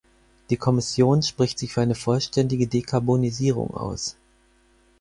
Die Kommission spricht sich für eine vollständige Dekarbonisierung aus.